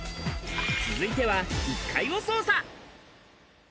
続いては１階を捜査。